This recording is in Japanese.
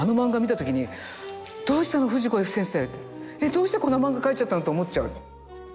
どうしてこんな漫画描いちゃったの？と思っちゃう。